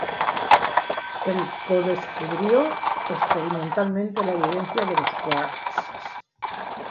Él co-descubrió experimentalmente la evidencia de los quarks.